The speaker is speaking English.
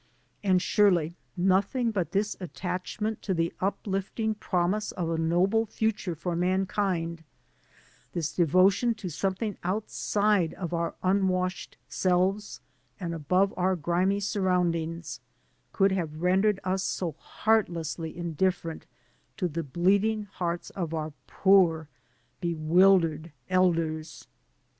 And surely nothing but this attach ment to the uplifting promise of a noble future for mankind, this devotion to something outside of our unwashed selves and above our grimy surroundings, could have rendered us so heartlessly indiflferent to the bleeding hearts of our poor bewildered elders.